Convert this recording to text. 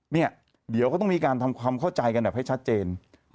เดี๋ยวเขาต้องมีการเข้าใจกันให้ชัดเจน